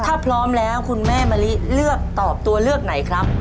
ถ้าพร้อมแล้วคุณแม่มะลิเลือกตอบตัวเลือกไหนครับ